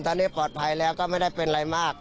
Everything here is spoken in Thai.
ตอนนี้ปลอดภัยแล้วก็ไม่ได้เป็นอะไรมาก